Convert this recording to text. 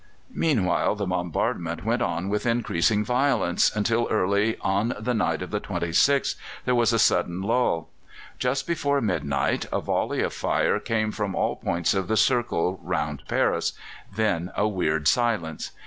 Meanwhile the bombardment went on with increasing violence, until early on the night of the 26th there was a sudden lull; just before midnight a volley of fire came from all points of the circle round Paris, then a weird silence.